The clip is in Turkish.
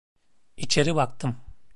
İçeri baktım.